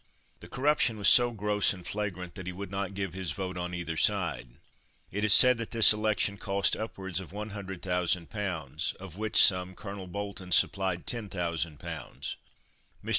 The corruption was so gross and flagrant that he would not give his vote on either side." It is said that this election cost upwards of 100,000 pounds, of which sum Colonel Bolton supplied 10,000 pounds. Mr.